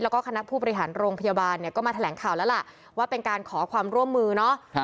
แล้วก็คณะผู้บริหารโรงพยาบาลเนี่ยก็มาแถลงข่าวแล้วล่ะว่าเป็นการขอความร่วมมือเนาะ